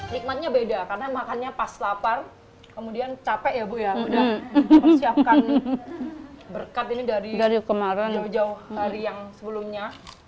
nikmatnya beda karena makannya pas lapar kemudian capek ya bu ya udah mempersiapkan berkat ini dari kemarin jauh jauh hari yang sebelumnya